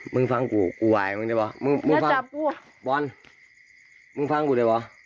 มึงฟังกูกูไหวมึงได้ป่ะมึงฟังกูบอลมึงฟังกูได้ป่ะ